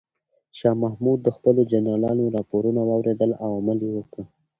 شاه محمود د خپلو جنرالانو راپورونه واورېدل او عمل یې وکړ.